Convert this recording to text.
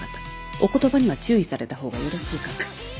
お言葉には注意された方がよろしいかと。